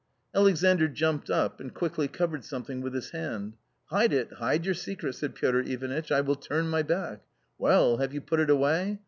Alexandr jumped up, and quickly covered something with his hand. " Hide it, hide your secret," said Piotr Ivanitch ;" I will turn my back. Well, have you put it away